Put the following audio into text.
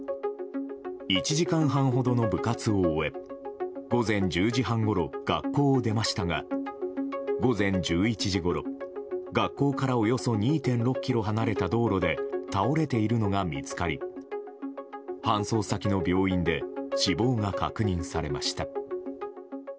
１時間半ほどの部活を終え午前１０時半ごろ学校を出ましたが午前１１時ごろ学校からおよそ２．６ｋｍ離れた道路で倒れているのが見つかり搬送先の病院で死亡が確認されました。